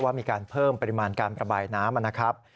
มีการเพิ่มปริมาณการประบายน้ำนะครับ